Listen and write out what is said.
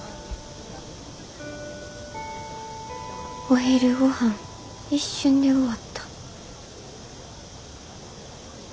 お昼ごはん一瞬で終わった。